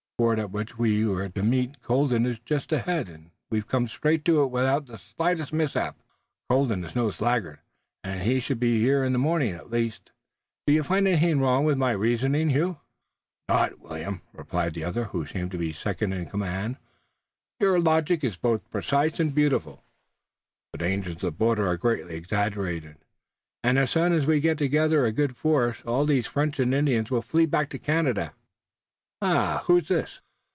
The ford at which we were to meet Colden is just ahead, and we've come straight to it without the slightest mishap. Colden is no sluggard, and he should be here in the morning at the latest. Do you find anything wrong with my reasoning, Hugh?" "Naught, William," replied the other, who seemed to be second in command. "Your logic is both precise and beautiful. The dangers of the border are greatly exaggerated, and as soon as we get together a good force all these French and Indians will flee back to Canada. Ah, who is this?"